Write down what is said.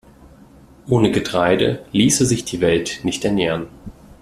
Ohne Getreide ließe sich die Welt nicht ernähren.